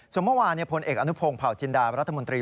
ส่วนเมื่อวานพลเอกอนุพงศ์เผาจินดารัฐมนตรี